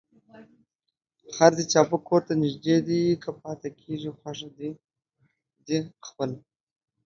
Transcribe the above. خر دي چابک کور دي نژدې دى ، که پاته کېږې خوښه دي خپله.